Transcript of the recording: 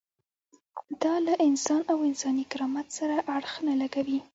دا له انسانیت او انساني کرامت سره اړخ نه لګوي.